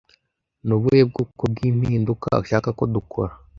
Ni ubuhe bwoko bw'impinduka ushaka ko dukora?